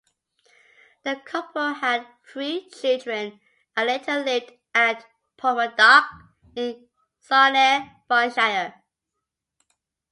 The couple had three children and later lived at Portmadoc in Caernarfonshire.